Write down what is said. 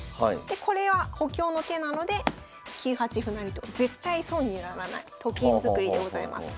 でこれは補強の手なので９八歩成と絶対損にならないと金作りでございます。